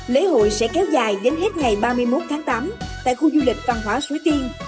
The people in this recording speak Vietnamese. lễ hội sẽ kéo dài đến hết ngày ba mươi một tháng tám tại khu du lịch văn hóa suối tiên